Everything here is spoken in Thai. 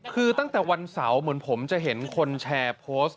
คือตั้งแต่วันเสาร์เหมือนผมจะเห็นคนแชร์โพสต์